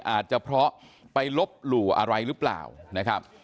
อาจจะเพราะไปลบหลู่อะไรหรือเปล่านะครับ